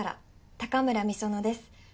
高村美園です。